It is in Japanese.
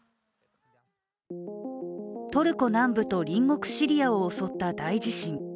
トルコ南部と隣国シリアを襲った大地震。